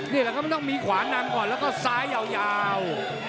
นี่นะก็มันทำมีขวานำก่อนแล้วซ้ายยาว